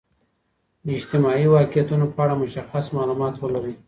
د اجتماعي واقعیتونو په اړه مشخص معلومات ولرئ.